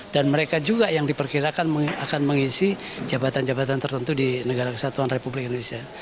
mereka juga yang diperkirakan akan mengisi jabatan jabatan tertentu di negara kesatuan republik indonesia